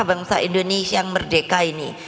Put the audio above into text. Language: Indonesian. bangsa indonesia yang merdeka ini